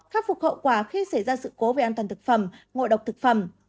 khắc phục hậu quả khi xảy ra sự cố về an toàn thực phẩm ngộ độc thực phẩm